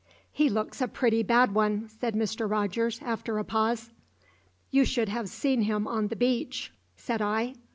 "He looks a pretty bad one," said Mr. Rogers, after a pause. "You should have seen him on the beach," said I.